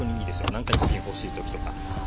なんか１品欲しい時とか。